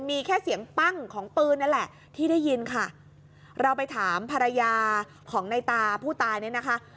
มีแค่เสียงปั้งของปืนนั่นแหละที่ได้ยินค่ะเราไปถามภรรยาของในตาผู้ตายเนี่ยนะคะ